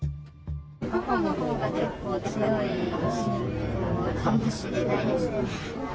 母のほうが、結構強い信仰かもしれないです。